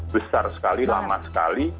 besar sekali lama sekali